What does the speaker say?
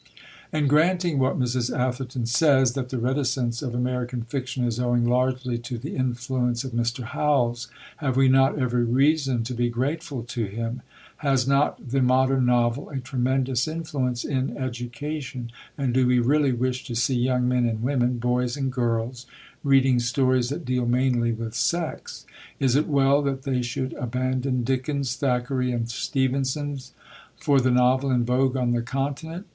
And, granting what Mrs. Atherton says, that the reticence of American fiction is owing largely to the influence of Mr. Howells, have we not every reason to be grateful to him? Has not the modern novel a tremendous influence in education, and do we really wish to see young men and women, boys and girls, reading stories that deal mainly with sex? Is it well that they should abandon Dickens, Thackeray, and Stevenson, for the novel in vogue on the Continent?